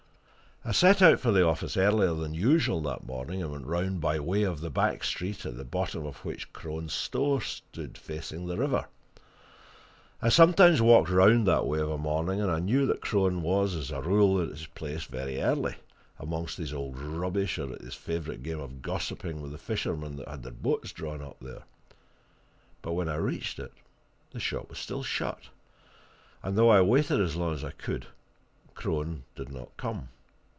I set out for the office earlier than usual that morning, and went round by way of the back street at the bottom of which Crone's store stood facing the river. I sometimes walked round that way of a morning, and I knew that Crone was as a rule at his place very early, amongst his old rubbish, or at his favourite game of gossiping with the fishermen that had their boats drawn up there. But when I reached it, the shop was still shut, and though I waited as long as I could, Crone did not come.